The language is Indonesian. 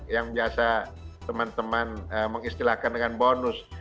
yang biasa teman teman mengistilahkan dengan bonus